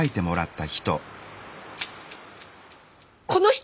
この人！